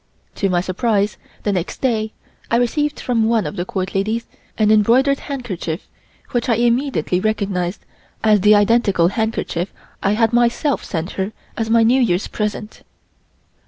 To my surprise, the next day I received from one of the Court ladies an embroidered handkerchief which I immediately recognized as the identical handkerchief I had myself sent her as my New Year's present.